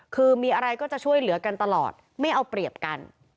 คือมีอะไรก็จะช่วยเหลือกันตลอดไม่เอาเปรียบกัน